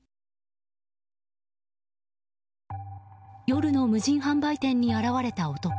夜の無人販売店に現れた男。